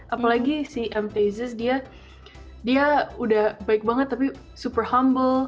apalagi si m pesas dia udah baik banget tapi super humbel